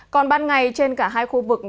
còn ban ngày trên cả hai khu vực